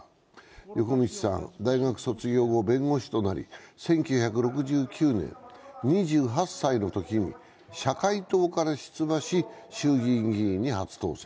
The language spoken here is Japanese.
横路さんは大学卒業後、弁護士となり１９６９年、２８歳のときに社会党から出馬し衆議院議員に初当選。